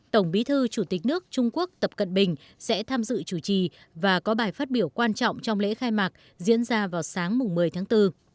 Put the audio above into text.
tổng bí thư chủ tịch nước trung quốc tập cận bình sẽ tham dự chủ trì và có bài phát biểu quan trọng trong lễ khai mạc diễn ra vào sáng một mươi tháng bốn